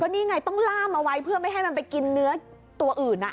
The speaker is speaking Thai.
นี่ไงต้องล่ามเอาไว้เพื่อไม่ให้มันไปกินเนื้อตัวอื่น